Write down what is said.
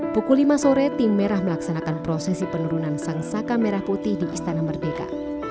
pukul lima sore tim merah melaksanakan prosesi penurunan sang saka merah putih di istana merdeka